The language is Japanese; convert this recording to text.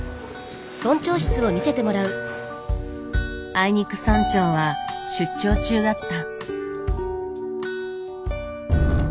あいにく村長は出張中だった。